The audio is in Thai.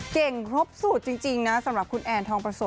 เก่งครบสุดจริงนะสำหรับคุณแอนทองประสม